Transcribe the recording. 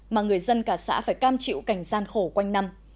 mà người dân cả xã phải cam chịu cảnh gian khổ quanh năm